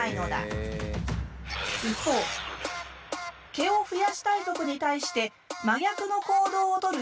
毛を増やしたい族に対して真逆の行動をとる種族が。